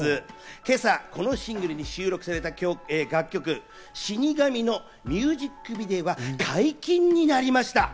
今朝このシングルに収録されている楽曲、『死神』のミュージックビデオが解禁になりました。